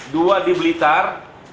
dua di blitar